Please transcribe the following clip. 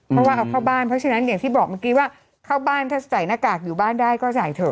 เพราะว่าเอาเข้าบ้านเพราะฉะนั้นอย่างที่บอกเมื่อกี้ว่าเข้าบ้านถ้าใส่หน้ากากอยู่บ้านได้ก็ใส่เถอะ